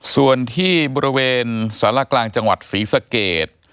ส่วนที่บริเวณสารกลางจังหวัดศรีสะเกด